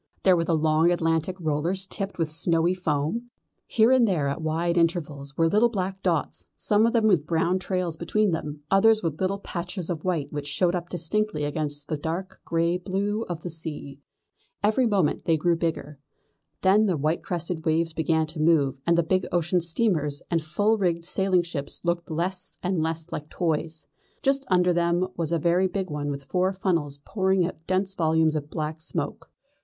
There were the long Atlantic rollers tipped with snowy foam. Here and there at wide intervals were little black dots, some of them with brown trails behind them, others with little patches of white which showed up distinctly against the dark grey blue of the sea. Every moment they grew bigger. Then the white crested waves began to move, and the big ocean steamers and full rigged sailing ships looked less and less like toys. Just under them there was a very big one with four funnels pouring out dense volumes of black smoke.